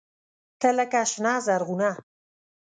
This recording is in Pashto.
تۀ لکه “شنه زرغونه”